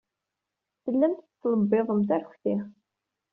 Tellamt tettlebbiḍemt arekti.